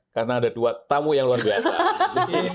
karena ada dua tamu yang luar biasa